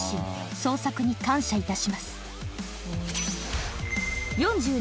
「捜索に感謝いたします」